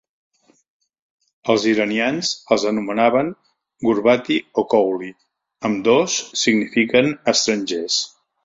Els iranians els anomenaven "gurbati" o "kouli", ambdós signifiquen "estrangers".